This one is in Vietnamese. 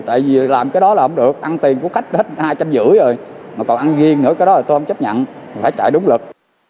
tại vì làm cái đó là không được ăn tiền của khách hết hai trăm năm mươi rồi mà còn ăn riêng nữa cái đó là tôi không chấp nhận phải chạy đúng lực